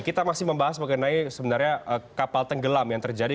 kita masih membahas mengenai sebenarnya kapal tenggelam yang terjadi